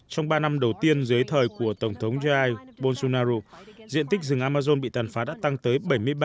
trong ba năm đầu tiên dưới thời của tổng thống jai bolsunaro diện tích rừng amazon bị tàn phá đã tăng tới bảy mươi ba